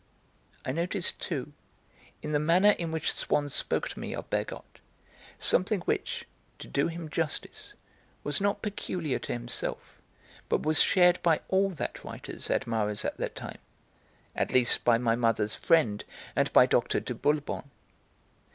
I noticed, too, in the manner in which Swann spoke to me of Bergotte, something which, to do him justice, was not peculiar to himself, but was shared by all that writer's admirers at that time, at least by my mother's friend and by Dr. du Boulbon.